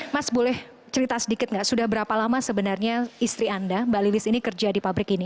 mas boleh cerita sedikit nggak sudah berapa lama sebenarnya istri anda mbak lilis ini kerja di pabrik ini